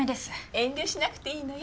遠慮しなくていいのよ。